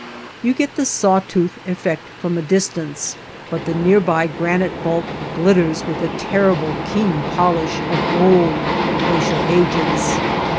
You get the saw tooth effect from a distance, but the near by granite bulk glitters with the / terrible keen polish of old glacial ages.